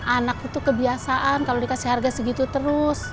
anak itu kebiasaan kalau dikasih harga segitu terus